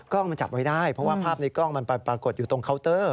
กล้องมันจับไว้ได้เพราะว่าภาพในกล้องมันปรากฏอยู่ตรงเคาน์เตอร์